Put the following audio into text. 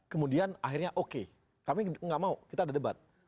kemudian akhirnya oke kami nggak mau kita ada debat